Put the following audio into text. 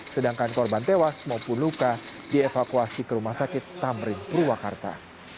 sedangkan korban tewas maupun luka dievakuasi ke rumah sakit tamrin purwakarta